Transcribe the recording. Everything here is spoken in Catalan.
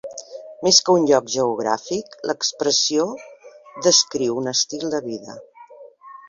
Més que un lloc geogràfic, l'expressió descriu un estil de vida.